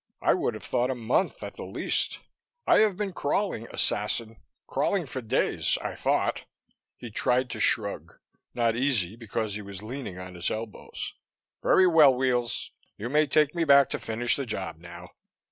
"I would have thought a month, at the least. I have been crawling, assassin. Crawling for days, I thought." He tried to shrug not easy, because he was leaning on his elbows. "Very well, Weels. You may take me back to finish the job now.